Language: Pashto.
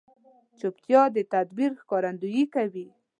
چوپتیا، د تدبیر ښکارندویي کوي.